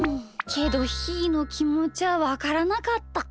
けどひーのきもちはわからなかった。